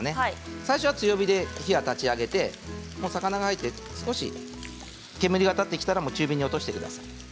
最初は強火で火を立ち上げて魚が入って少ししたら煙が立ってきたら中火に落としてください。